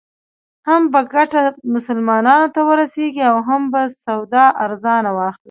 هم به ګټه مسلمانانو ته ورسېږي او هم به سودا ارزانه واخلې.